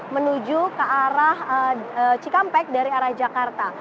menuju ke arah cikampek dari arah jakarta